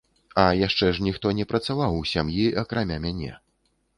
А яшчэ ж ніхто не працаваў у сям'і, акрамя мяне.